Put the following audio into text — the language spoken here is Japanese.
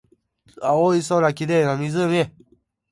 青い空、綺麗な湖